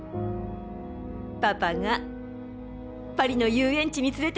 パパがパリの遊園地に連れてくって！